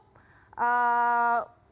apakah kpai menilai ini cukup